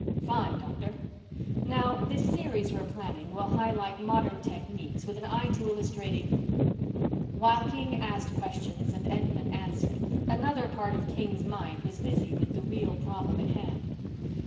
"Fine, Doctor. Now, this series we're planning will highlight modern techniques with an eye to illustrating ..." While King asked questions and Entman answered, another part of King's mind was busy with the real problem at hand.